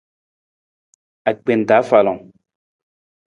Agbenta afalang.